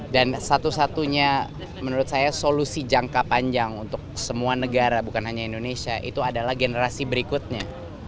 dan satu satunya menurut saya solusi jangka panjang untuk semua negara bukan hanya indonesia itu adalah generasi berikutnya